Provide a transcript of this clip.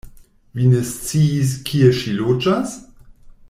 Vi ne sciis, kie ŝi loĝas?